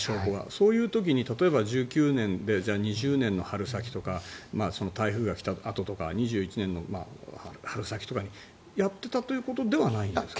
そういう時に例えば１９年で２０年の春先とかその台風が来たあととか２０年の春先とかにやっていたということではないんですか？